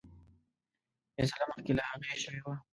فیصله مخکي له هغه شوې وه.